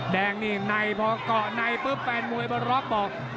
แดงเนียงในพอเกาะในแฟนมวยประรอบบอก